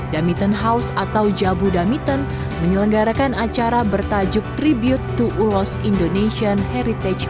damitten house atau jabu damitten menyelenggarakan acara bertajuk tribute to ulos indonesian heritage